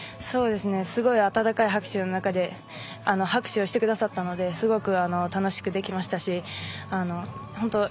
すごい温かい拍手の前で拍手をしてくださったのですごく楽しくできましたし本当